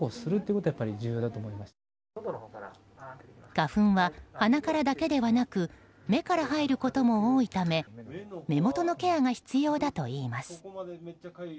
花粉は鼻からだけではなく目から入ることも多いため目元のケアが必要だといいます。